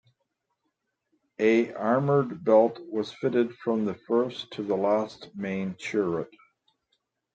A armoured belt was fitted from the first to the last main turret.